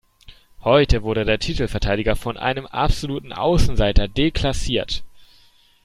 Heute wurde der Titelverteidiger von einem absoluten Außenseiter deklassiert.